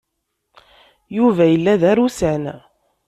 Yuba yella d arusan.